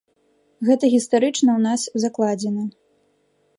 Гэта гістарычна ў нас закладзена.